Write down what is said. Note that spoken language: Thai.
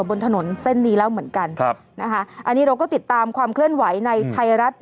บนถนนเส้นนี้แล้วเหมือนกันครับนะคะอันนี้เราก็ติดตามความเคลื่อนไหวในไทยรัฐ